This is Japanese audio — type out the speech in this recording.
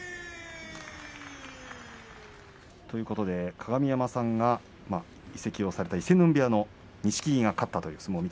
鏡山さんが移籍をされた伊勢ノ海部屋の錦木が勝ったという一番です。